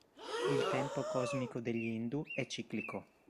Il tempo cosmico degli hindu è ciclico.